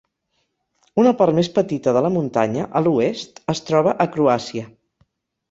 Una part més petita de la muntanya, a l'oest, es troba a Croàcia.